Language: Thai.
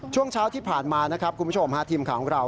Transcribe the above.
ช่วงเช้าที่ผ่านมานะครับคุณผู้ชมฮะทีมข่าวของเรา